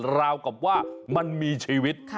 ราวกับว่ามันมีชีวิต